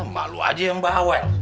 malu aja mbak awel